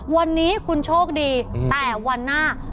วันนี้คุณโชคดีแต่วันหน้า